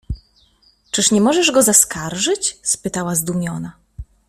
— Czyż nie możesz go zaskarżyć? — spytała zdumiona.